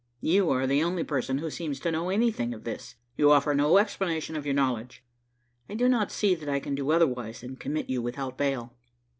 You are the only person who seems to know anything of this. You offer no explanation of your knowledge. I do not see that I can do otherwise than commit you without bail."